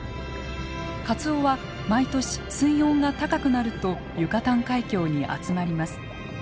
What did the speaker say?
カツオは毎年水温が高くなるとユカタン海峡に集まります。